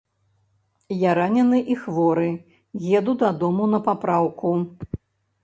Я ранены і хворы, еду дадому на папраўку.